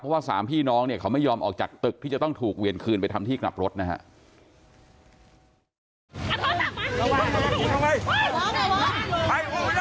เพราะว่าสามพี่น้องเนี่ยเขาไม่ยอมออกจากตึกที่จะต้องถูกเวียนคืนไปทำที่กลับรถนะครับ